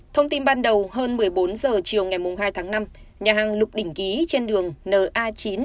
thông tin ban đầu hơn một mươi bốn giờ chiều ngày hai tháng năm nhà hàng lục đỉnh ký trên đường n a chín